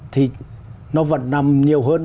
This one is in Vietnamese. thì nó vẫn nằm nhiều hơn